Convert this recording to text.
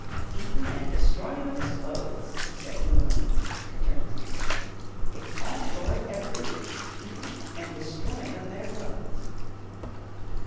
"Eatin' an' destroyin' of 'is clothes," he said gloomily, returning to the kitchen. "It's all boys ever do eatin' an' destroyin' of their clothes."